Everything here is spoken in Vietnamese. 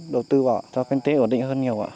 đầu tư bỏ cho kinh tế ổn định hơn nhiều